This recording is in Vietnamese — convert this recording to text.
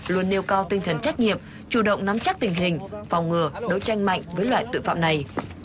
luôn nêu cao tinh thần trách nhiệm chủ động nắm chắc tình hình phòng ngừa đối tranh mạnh với loại tội phạm này